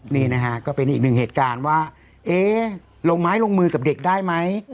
นี่นะฮะก็เป็นอีกหนึ่งเหตุการณ์ว่าเอ๊ะลงไม้ลงมือกับเด็กได้ไหม